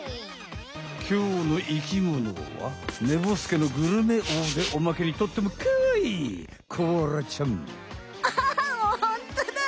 きょうの生きものはねぼすけのグルメ王でおまけにとってもかわいいアハハホントだ！